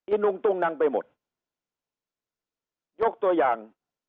นุงตุ้งนังไปหมดยกตัวอย่าง